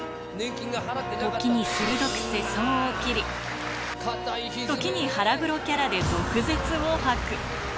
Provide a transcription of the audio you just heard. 時に鋭く世相を斬り、時に腹黒キャラで毒舌を吐く。